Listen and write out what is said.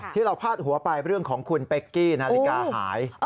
พาดหัวไปเรื่องของคุณเป๊กกี้นาฬิกาหาย